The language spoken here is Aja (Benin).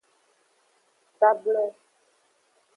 Sable.